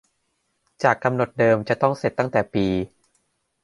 จากกำหนดเดิมจะต้องเสร็จตั้งแต่ปี